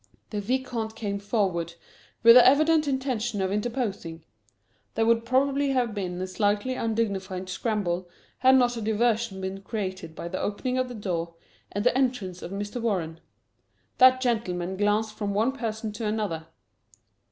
The Vicomte came forward, with the evident intention of interposing. There would probably have been a slightly undignified scramble had not a diversion been created by the opening of the door, and the entrance of Mr. Warren. That gentleman glanced from one person to another.